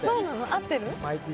合ってる？